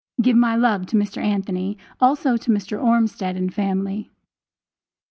Give my love to Mr. Anthony, also to Mr. Ormsted and family.